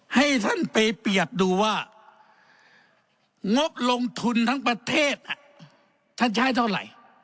ให้ท่านไปเปรียบดูว่างบลงทุนทั้งประเทศท่านใช้เท่าไหร่